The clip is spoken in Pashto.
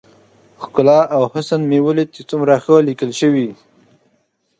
ښکلا او حسن مې وليد چې څومره ښه ليکل شوي.